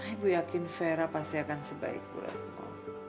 ibu yakin vera pasti akan sebaik bu retno